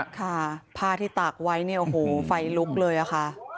ค่ะผ้าที่ตากไว้เนี่ยโอ้โหไฟลุกเลยอะค่ะ